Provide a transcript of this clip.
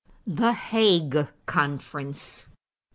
=The Hague Conference.